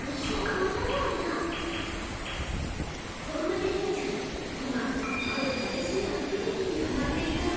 そんなレイラちゃん、今、ある激しいアクティビティにハマっています。